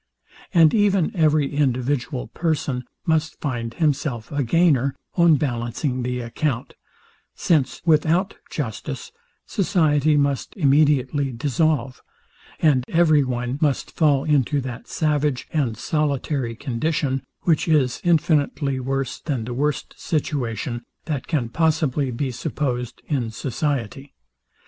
And even every individual person must find himself a gainer, on ballancing the account; since, without justice society must immediately dissolve, and every one must fall into that savage and solitary condition, which is infinitely worse than the worst situation that can possibly be supposed in society.